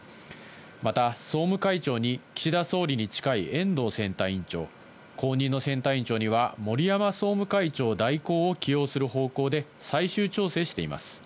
また総務会長に岸田総理に近い遠藤選対委員長、後任の選対委員長には森山総務会長代行を起用する方向で最終調整しています。